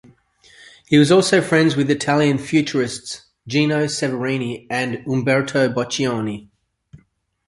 He was also friends with the Italian Futurists Gino Severini and Umberto Boccioni.